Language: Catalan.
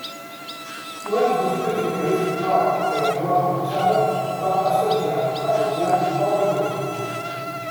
Només després que quedés clar que Eduard marxava, va assetjar Armanyac als anglesos.